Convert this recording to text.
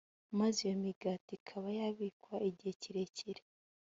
maze iyo migati ikaba yabikwa igihe kirekire